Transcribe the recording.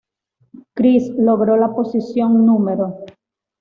Christ logró la posición Nro.